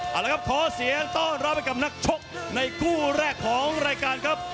เอาละครับขอเสียงต้อนรับให้กับนักชกในคู่แรกของรายการครับ